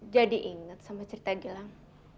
jadi ingat sama cerita gilang